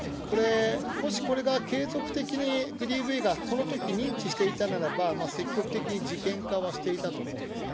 もしこれが継続的にＤＶが、このとき認知していたならば、積極的に事件化はしていたと思うんですね。